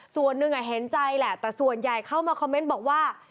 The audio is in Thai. ส่วนหนึ่งเห็นใจแหละแต่ส่วนใหญ่เข้ามาคอมเมนต์บอกว่า